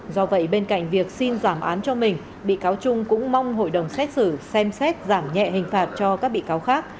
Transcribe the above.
do vậy bên cạnh việc xin giảm án cho mình bị cáo trung cũng mong hội đồng xét xử xem xét giảm nhẹ hình phạt cho các bị cáo khác